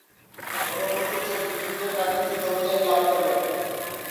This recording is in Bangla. পরবর্তীতে ব্রিটিশদের কাছ থেকে জমিদারী লাভ করেন।